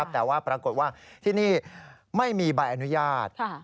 แต่ว่าปรากฏว่าที่นี่ไม่มีใบอนุญาต